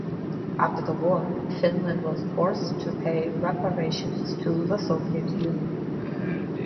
After the war, Finland was forced to pay reparations to the Soviet Union.